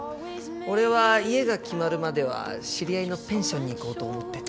俺は家が決まるまでは知り合いのペンションに行こうと思ってて。